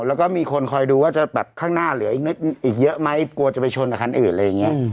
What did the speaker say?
แล้วก็มีคนคอยดูว่าจะแบบข้างหน้าเหลืออีกเยอะไหมกลัวจะไปชนกับคันอื่นอะไรอย่างนี้